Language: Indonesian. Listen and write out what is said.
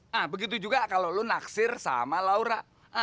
nah begitu juga kalau lu naksir sama laura